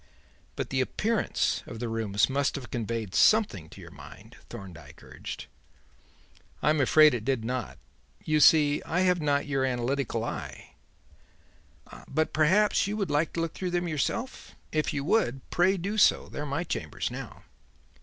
"But the appearance of the rooms must have conveyed something to your mind," Thorndyke urged. "I am afraid it did not. You see, I have not your analytical eye. But perhaps you would like to look through them yourself? If you would, pray do so. They are my chambers now."